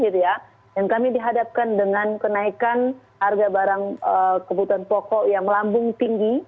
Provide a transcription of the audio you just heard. dan kami dihadapkan dengan kenaikan harga barang kebutuhan pokok yang melambung tinggi